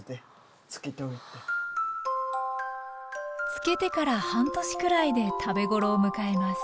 漬けてから半年くらいで食べごろを迎えます